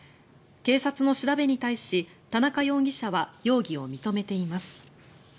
警察の調べに対し、田中容疑者は容疑を認めています。